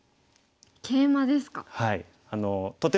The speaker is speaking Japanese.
ケイマですか。